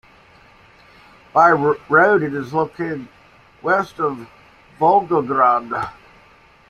By road it is located west of Volgograd.